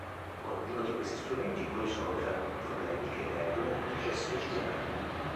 Ognuno di questi strumenti può risolvere alcuni problemi che emergono nel processo decisionale.